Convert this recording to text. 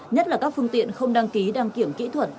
nhất là các phương tiện không đăng ký đăng kiểm kỹ thuật